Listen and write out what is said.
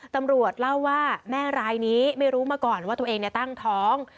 ตำรวจเล่าว่าแม่รายนี้ไม่รู้มาก่อนว่าตัวเองตั้งท้อง